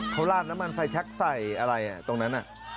เขาลาดน้ำมันไฟแช็คใส่อะไรตรงนั้น